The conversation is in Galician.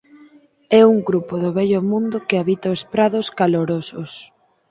É un grupo do Vello Mundo que habita os prados calorosos.